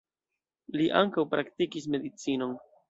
Li ankaŭ praktikis medicinon.